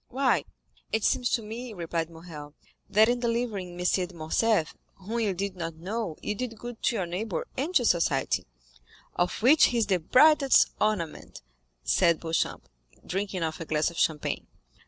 "Why, it seems to me," replied Morrel, "that in delivering M. de Morcerf, whom you did not know, you did good to your neighbor and to society." "Of which he is the brightest ornament," said Beauchamp, drinking off a glass of champagne.